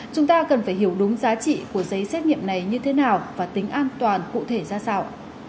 chúng ta cần phải hiểu đúng giá trị của giấy xét nghiệm này như thế nào và tính an toàn cụ thể ra sao